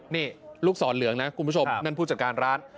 นี่ลูกศรเหลืองนะคุณผู้ชมนั่นผู้จัดการร้าน